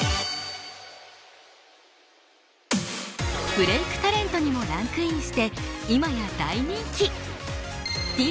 ブレイクタレントにもランクインして今や大人気！